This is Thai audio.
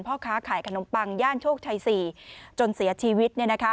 พ่อค้าขายขนมปังย่านโชคชัย๔จนเสียชีวิต